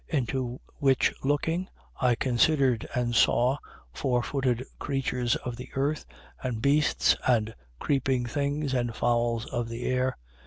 11:6. Into which looking, I considered and saw fourfooted creatures of the earth and beasts and creeping things and fowls of the air.